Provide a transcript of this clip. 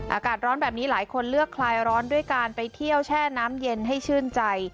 อากาศร้อนแบบนี้หลายคนเลือกคลายร้อนด้วยการไปเที่ยวแช่น้ำเย็นให้ชื่นใจ